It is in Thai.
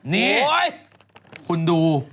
นี่คุณดู